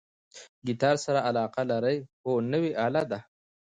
ګیتار سره علاقه لرئ؟ هو، نوی آله ده